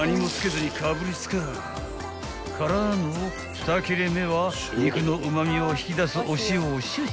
２切れ目は肉のうま味を引き出すお塩を少々］